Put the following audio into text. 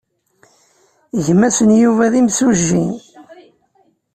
Gma-s n Yuba d imsujji.